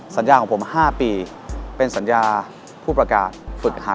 สัญญาของผม๕ปีเป็นสัญญาผู้ประกาศฝึกหัก